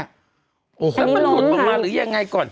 แล้วมันหยุดมาก่อนหรืออย่างยังไงก่อน